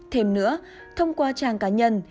thêm nữa thông qua trang cá nhân